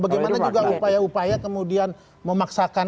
bagaimana juga upaya upaya kemudian memaksakan